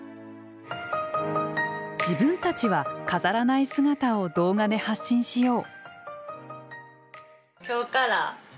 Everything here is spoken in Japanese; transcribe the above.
自分たちは飾らない姿を動画で発信しよう。